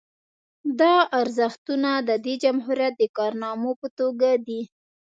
دا ارزښتونه د دې جمهوریت د کارنامو په توګه دي